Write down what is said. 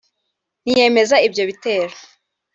ntiyemeza ibyo bitero